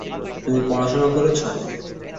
তুমি পড়াশোনা করেছো?